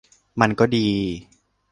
มันก็ดี